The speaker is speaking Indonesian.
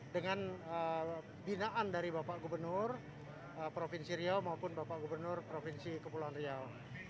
dengan binaan dari bapak gubernur provinsi riau maupun bapak gubernur provinsi kepulauan riau